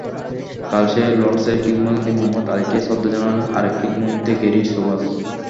কাল সেই লর্ডসেই কিংবদন্তি মোহাম্মদ আলীকে শ্রদ্ধা জানালেন আরেক কিংবদন্তি গ্যারি সোবার্স।